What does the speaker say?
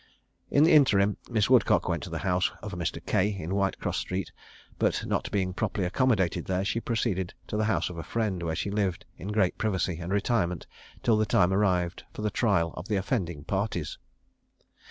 In the interim Miss Woodcock went to the house of Mr. Cay, in Whitecross street; but not being properly accommodated there, she proceeded to the house of a friend, where she lived in great privacy and retirement till the time arrived for the trial of the offending parties.